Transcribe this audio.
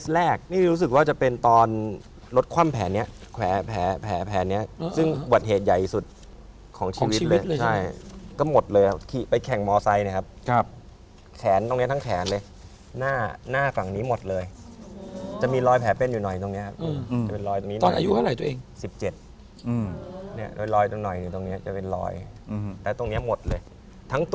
แล้วผมก็เลยบอกว่าขอฟิล์มอันนี้ไว้นะ